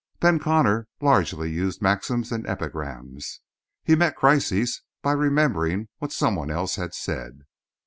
Ben Connor largely used maxims and epigrams; he met crises by remembering what some one else had said.